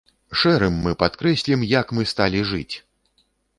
Шэрым мы падкрэслім, як мы сталі жыць!